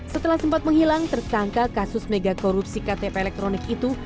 setelah sempat menghilang tersangka kasus megakorupsi ktp elektronik itu